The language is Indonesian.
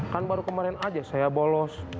kan baru kemarin aja saya bolos